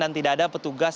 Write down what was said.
dan tidak ada petugas